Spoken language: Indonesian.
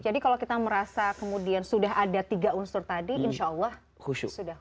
jadi kalau kita merasa kemudian sudah ada tiga unsur tadi insya allah sudah husu